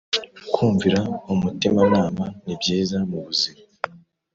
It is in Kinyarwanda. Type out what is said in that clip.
kumvira umutima nama nibyiza mubuzima